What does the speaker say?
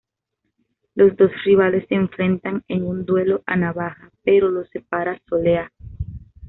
Los dos rivales se enfrentan en un duelo a navaja, pero los separa Soleá.